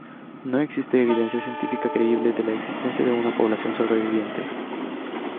No existe evidencia científica creíble de la existencia de una población sobreviviente.